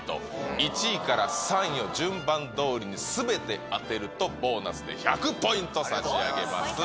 １位から３位を順番どおりにすべて当てるとボーナスで１００ポイント差し上げます。